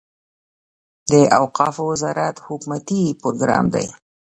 د اوقافو وزارت حکومتي پروګرام دی.